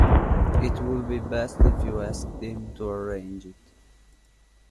It would be best if you asked him to arrange it.